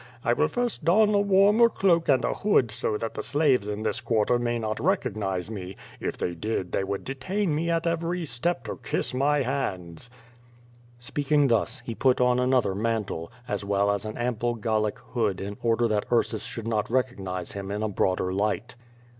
I will first don a warmer cloak and a hood so that the slaves in this quarter may not recognize me. If they did they would detain me at every step to kiss my hands." Speaking thus, he put on another mantle, as well as an ample Gallic hood in order that Ursus should not recognize him in a broader light.